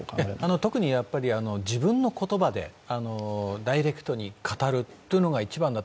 特に自分の言葉でダイレクトに語るというのが一番だと。